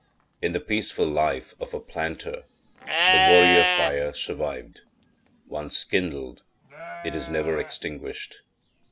In the peaceful life of a planter the warrior fire survived; once kindled, it is never extinguished.